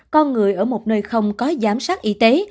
con người ở một nơi không có giám sát y tế